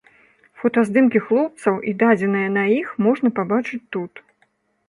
Фотаздымкі хлопцаў і дадзеныя на іх можна пабачыць тут.